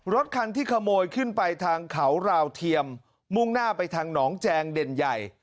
รถคันที่ขโมยขึ้นไปทางเขาราวเทียมมุ่งหน้าไปทางหนองแจงเด่นใหญ่